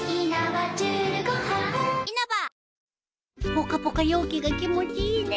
ぽかぽか陽気が気持ちいいね。